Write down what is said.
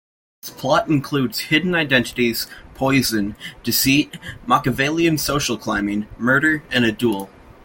Its plot includes hidden identities, poison, deceit, Machiavellian social climbing, murder and a duel.